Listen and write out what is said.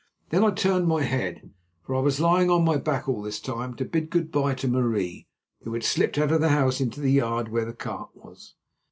Then I turned my head, for I was lying on my back all this time, to bid good bye to Marie, who had slipped out of the house into the yard where the cart was.